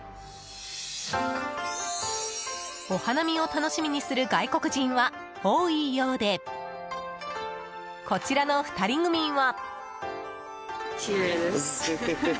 お花見を楽しみにする外国人は多いようで、こちらの２人組は。